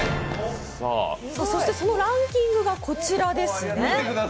そして、そのランキングがこちらですね。